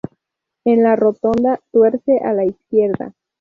En la rotonda, tuerce a la izquierda.